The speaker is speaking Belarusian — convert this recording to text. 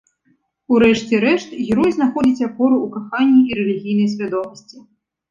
У рэшце рэшт, герой знаходзіць апору ў каханні і рэлігійнай свядомасці.